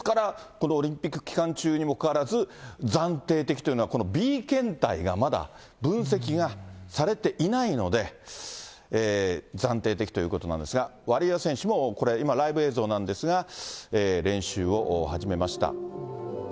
ですから、このオリンピック期間中にもかかわらず、暫定的というのは、このＢ検体がまだ分析がされていないので、暫定的ということなんですが、ワリエワ選手も、これ、今、ライブ映像なんですが、練習を始めました。